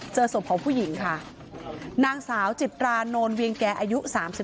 เจอศพของผู้หญิงค่ะนางสาวจิตรานนเวียงแก่อายุ๓๒